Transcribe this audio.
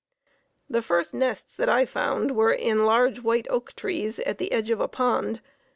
The first nests that I found were in large white oak trees at the edge of a pond.